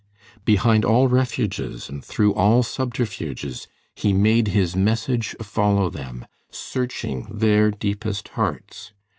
Behind all refuges and through all subterfuges he made his message follow them, searching their deepest hearts.